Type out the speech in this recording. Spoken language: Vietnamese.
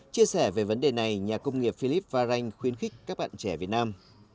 chia sẻ về vấn đề này nhà công nghiệp philip farrain khuyến khích các bạn trẻ việt nam